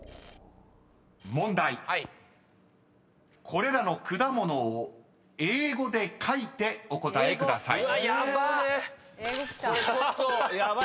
［これらの果物を英語で書いてお答えください］